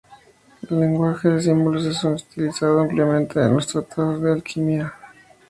El lenguaje de símbolos es utilizado ampliamente en los tratados de alquimia.